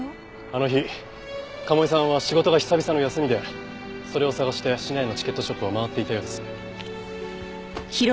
あの日賀茂井さんは仕事が久々の休みでそれを探して市内のチケットショップを回っていたようです。